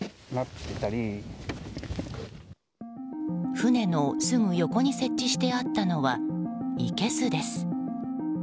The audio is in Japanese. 船のすぐ横に設置してあったのは、いけすです。